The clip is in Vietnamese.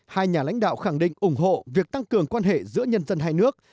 hai nhà lãnh đạo khẳng định ủng hộ việc tăng cường quan hệ giữa nhân dân hai nước